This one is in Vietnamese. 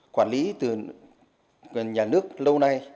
quản lý từ nhà nước lâu nay